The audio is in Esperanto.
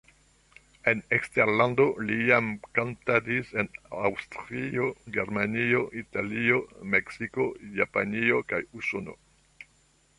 En eksterlando li jam kantadis en Aŭstrio, Germanio, Italio, Meksiko, Japanio kaj Usono.